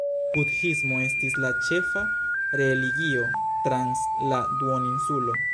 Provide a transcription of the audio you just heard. Budhismo estis la ĉefa religio trans la duoninsulo.